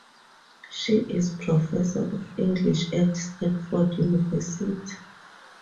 She is professor of English at Stanford University.